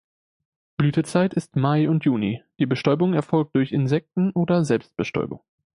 Blütezeit ist Mai und Juni, die Bestäubung erfolgt durch Insekten oder Selbstbestäubung.